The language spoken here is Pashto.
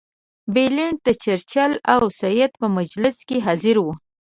بلنټ د چرچل او سید په مجلس کې حاضر وو.